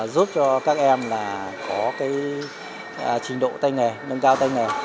giúp cho các em có trình độ tên nghề nâng cao tên nghề